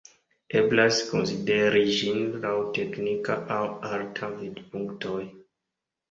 Eblas konsideri ĝin laŭ teknika aŭ arta vidpunktoj.